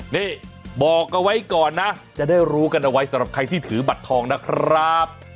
นี่บอกเอาไว้ก่อนนะจะได้รู้กันเอาไว้สำหรับใครที่ถือบัตรทองนะครับ